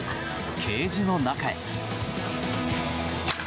ケージの中へ。